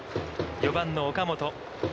４番の岡本。